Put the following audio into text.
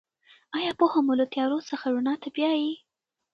آیا پوهه مو له تیارو څخه رڼا ته بیايي؟